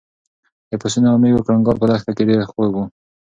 د پسونو او مېږو کړنګار په دښته کې ډېر خوږ و.